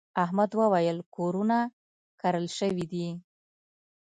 احمد وويل: کورونه کرل شوي دي.